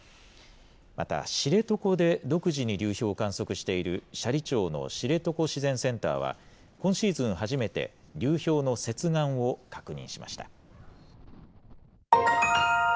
また、知床で独自に流氷を観測している斜里町の知床自然センターは、今シーズン初めて、流氷の接岸を確認しました。